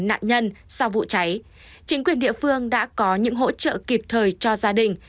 nạn nhân sau vụ cháy chính quyền địa phương đã có những hỗ trợ kịp thời cho gia đình